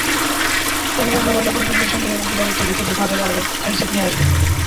এভাবে মোবাইল অপারেটরদের সঙ্গে অংশীদারিত্বের ভিত্তিতে বাজারে আরও হ্যান্ডসেট নিয়ে আসব।